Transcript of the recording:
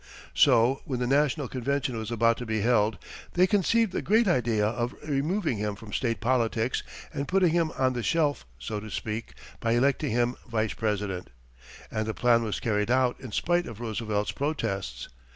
So when the national convention was about to be held, they conceived the great idea of removing him from state politics and putting him on the shelf, so to speak, by electing him Vice President, and the plan was carried out in spite of Roosevelt's protests.